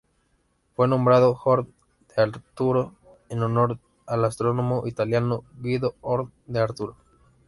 Fue nombrado Horn-d'Arturo en honor al astrónomo italiano Guido Horn-d'Arturo.